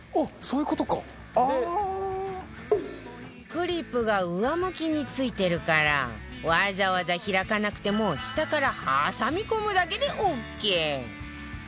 クリップが上向きに付いてるからわざわざ開かなくても下から挟み込むだけでオーケー